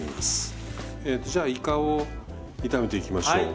えとじゃあいかを炒めていきましょう。